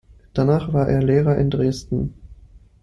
Danach war er Lehrer in Dresden.